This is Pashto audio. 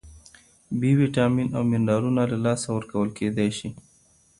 بی ویټامین او منرالونه له لاسه ورکول کېدای شي.